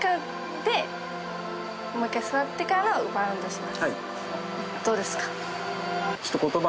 でもう一回座ってからバウンドします。